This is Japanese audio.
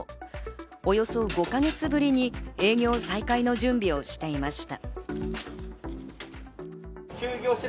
およそ５か月ぶりに営業再開の準備をしていました。